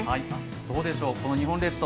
どうでしょう、この日本列島。